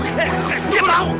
saya gak tau